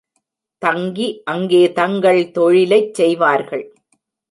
தங்கி அங்கே தங்கள் தொழிலைச் செய்வார்கள்.